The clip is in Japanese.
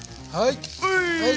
はい！